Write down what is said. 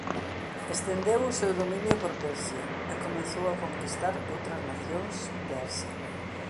Estendeu o seu dominio por Persia e comezou a conquistar outras nacións de Asia.